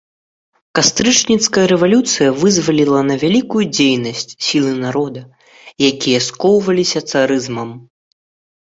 Кастрычніцкая рэвалюцыя вызваліла на вялікую дзейнасць сілы народа, якія скоўваліся царызмам.